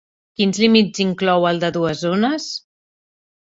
Quins límits inclou el de dues zones?